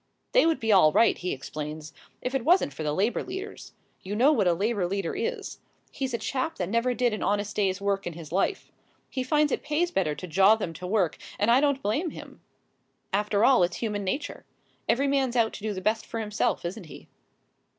"They would be all right," he explains, "if it wasn't for the Labour leaders. You know what a Labour leader is. He's a chap that never did an honest day's work in his life. He finds it pays better to jaw than to work, and I don't blame him. After all, it's human nature. Every man's out to do the best for himself, isn't he?"